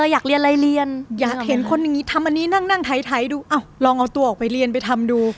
อยากเรียนอะไรเรียนอยากเห็นคนอย่างนี้ทำอันนี้นั่งถ่ายดูลองเอาตัวออกไปเรียนไปทำดู